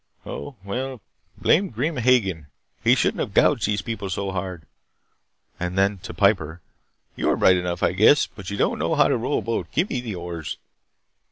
Oh, well, blame Grim Hagen. He shouldn't have gouged these people so hard " And then, to Piper: "You're bright enough, I guess, but you don't know how to row a boat. Give me the oars."